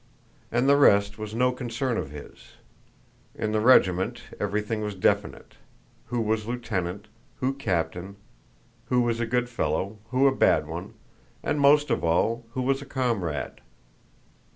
And the rest was no concern of his. In the regiment, everything was definite: who was lieutenant, who captain, who was a good fellow, who a bad one, and most of all, who was a comrade.